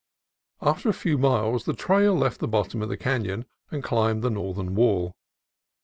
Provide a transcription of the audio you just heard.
After a few miles the trail left the bottom of the canon and climbed the northern wall.